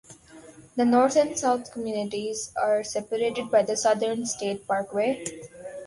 The North and South communities are separated by the Southern State Parkway.